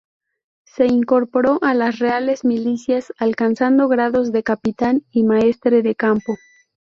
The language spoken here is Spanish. Se incorporó a las reales milicias, alcanzando grados de capitán y maestre de campo.